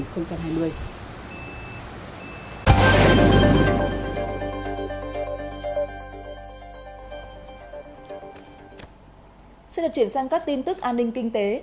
xin được chuyển sang các tin tức an ninh kinh tế